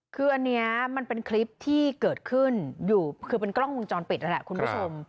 คืออันนี้มันเป็นคลิปที่เกิดขึ้นอยู่คือเป็นกล้องวงจรปิดนั่นแหละคุณผู้ชม